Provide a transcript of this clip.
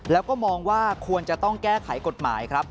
แล้วก็มองว่าควรจะต้องแก้ไขกฎหมายครับ